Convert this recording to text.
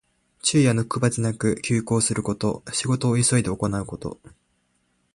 昼夜の区別なく急行すること。仕事を急いで行うこと。